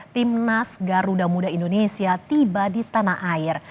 timnas garuda muda indonesia tiba di tanah air